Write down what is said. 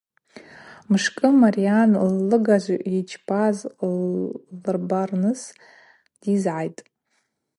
Мшкӏы Марйан ллыгажв йчпаз ллырбарныс дйызгӏайтӏ.